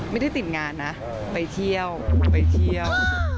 ไม่ได้ติดงานนะไปเที่ยวพอไปเที่ยว